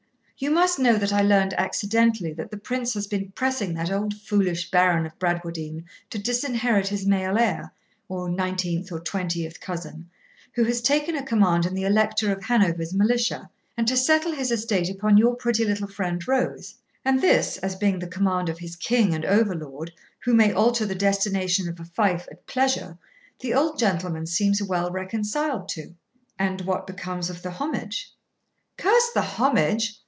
You must know that I learned accidentally that the Prince has been pressing that old foolish Baron of Bradwardine to disinherit his male heir, or nineteenth or twentieth cousin, who has taken a command in the Elector of Hanover's militia, and to settle his estate upon your pretty little friend Rose; and this, as being the command of his king and overlord, who may alter the destination of a fief at pleasure, the old gentleman seems well reconciled to.' 'And what becomes of the homage?' 'Curse the homage!